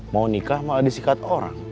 mau nikah malah disikat orang